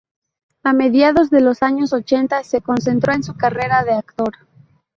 A mediados de los años ochenta, se concentró en su carrera de actor.